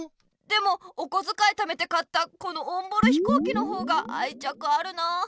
でもおこづかいためて買ったこのオンボロひこうきの方があいちゃくあるなあ。